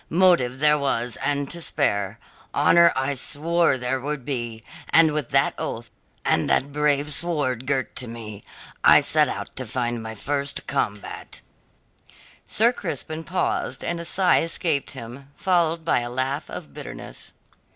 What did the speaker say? Motive there was and to spare; honour I swore there should be; and with that oath, and that brave sword girt to me, I set out to my first combat." Sir Crispin paused and a sigh escaped him, followed by a laugh of bitterness.